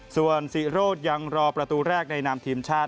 ส่วนศิโรธยังรอประตูแรกในนามทีมชาติ